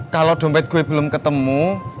kalo dompet gue belum ketemu